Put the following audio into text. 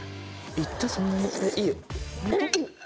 行ったえっいいよ。